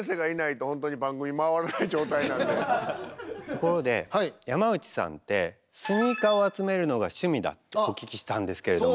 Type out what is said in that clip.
ところで山内さんってスニーカーを集めるのが趣味だってお聞きしたんですけど。